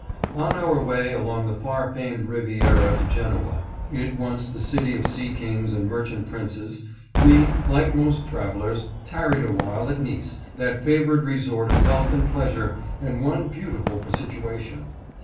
On our way along the far famed Riviera to Genoat 690 VISITS NICE. once the city of sea kings and merchant princes, we, like most travelers, tarried awhile at Nice, that favorite re sort of health and pleasure and one beautiful for situa tion.